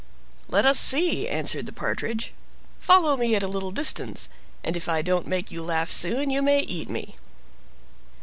"Let us see," answered the Partridge; "follow me at a little distance, and if I don't make you laugh soon you may eat me!"